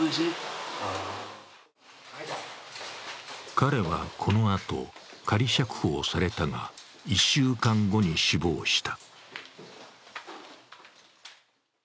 彼は、このあと仮釈放されたが１週間後に死亡した。